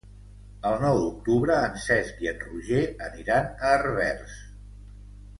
El nou d'octubre en Cesc i en Roger aniran a Herbers.